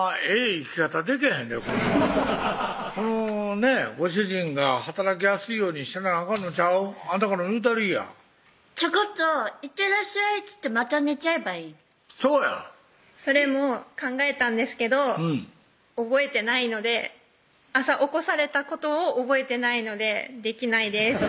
生き方できへんでこのねご主人が働きやすいようにせなあかんのちゃう？あんたからも言うたりぃやちょこっと「いってらっしゃい」っつってまた寝ちゃえばいいそうやそれも考えたんですけど覚えてないので朝起こされたことを覚えてないのでできないです